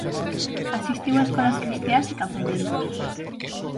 Asistiu a escolas cristiás e campamentos.